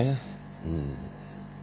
うん。